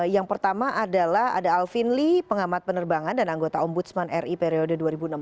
yang pertama adalah ada alvin lee pengamat penerbangan dan anggota ombudsman ri periode dua ribu enam belas dua ribu